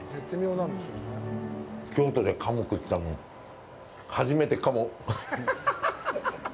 京都で鴨食ったの初めてカモ。